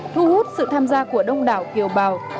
thu hút sự tham gia của đông đảo kiều bào